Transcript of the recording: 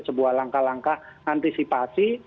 sebuah langkah langkah antisipasi